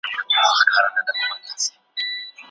چټک فایبرونه یوازې د لوړ شدت حرکت لپاره کار کوي.